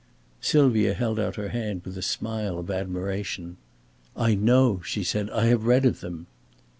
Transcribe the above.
Sylvia held out her hand with a smile of admiration. "I know," she said. "I have read of them."